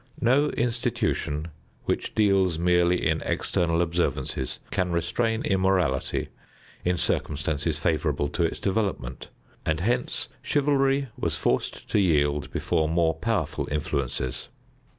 No institution which deals merely in external observances can restrain immorality in circumstances favorable to its development, and hence chivalry was forced to yield before more powerful influences.